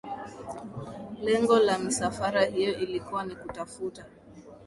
Lengo la misafara hiyo ilikuwa ni kutafuta